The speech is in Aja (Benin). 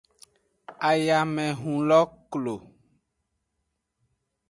Ayamehun lo klo.